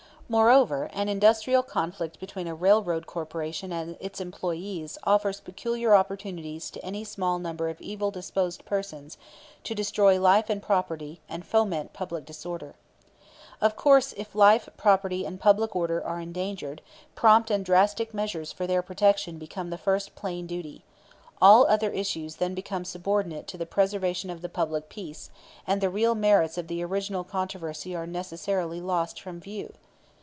"Moreover, an industrial conflict between a railroad corporation and its employees offers peculiar opportunities to any small number of evil disposed persons to destroy life and property and foment public disorder. Of course, if life, property, and public order are endangered, prompt and drastic measures for their protection become the first plain duty. All other issues then become subordinate to the preservation of the public peace, and the real merits of the original controversy are necessarily lost from view.